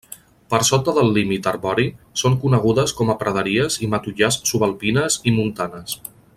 Per sota del límit arbori són conegudes com a praderies i matollars subalpines i montanes.